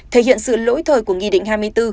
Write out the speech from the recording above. thể hiện sự lỗi thời của nghị định hai mươi bốn